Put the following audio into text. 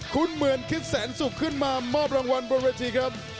คุณเหมือนคิดแสนสุขขึ้นมามอบรางวัลบนเวทีครับ